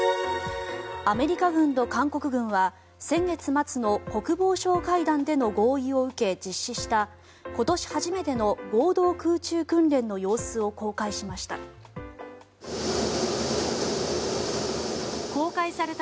アメリカ軍と韓国軍は先月末の国防相会談での合意を受け実施した、今年初めての合同空中訓練の様子を公開しました。